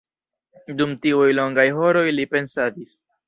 Dum tiuj longaj horoj li pensadis.